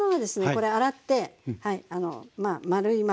これ洗って丸いまま。